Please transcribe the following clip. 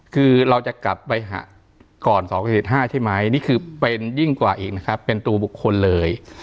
คือเราจะกลับไปก่อน๒๔๕ใช่ไหมนี่คือเป็นยิ่งกว่าอีกนะครับเป็นตัวบุคคลเลย